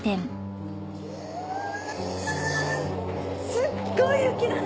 すっごい雪だね。